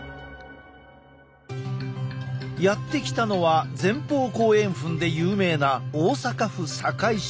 やって来たのは前方後円墳で有名な大阪府堺市。